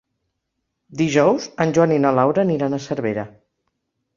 Dijous en Joan i na Laura aniran a Cervera.